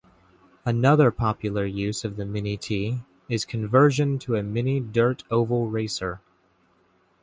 Another popular use of the Mini-T is conversion to a mini dirt oval racer.